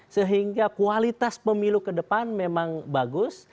sehingga kualitas pemilu kedepan memang bagus